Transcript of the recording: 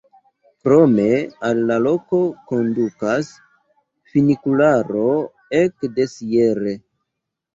Krome al la loko kondukas funikularo ek de Sierre.